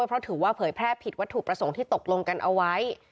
เพราะถือว่าเผยแพร่ผิดวัตถุประสงค์ที่ตกลงกันเอาไว้